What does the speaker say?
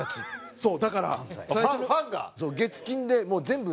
そう。